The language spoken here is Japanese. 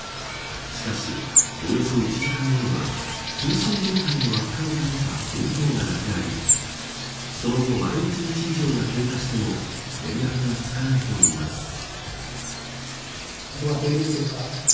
しかし、およそ１時間後には通信状態の悪化のためか応答がなくなりその後、丸１日以上が経過しても連絡がつかないといいます。